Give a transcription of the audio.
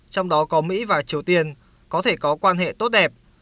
trong đó có mỹ và triều tiên có thể có quan hệ tốt đẹp